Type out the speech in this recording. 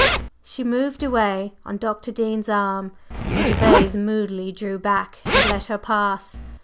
She moved away on Dr. Dean's arm, and Gervase moodily drew back and let her pass.